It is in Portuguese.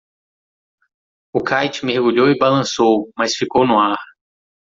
O kite mergulhou e balançou?, mas ficou no ar.